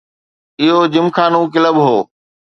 اهو جمخانو ڪلب هو.